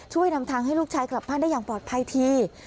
นำทางให้ลูกชายกลับบ้านได้อย่างปลอดภัยที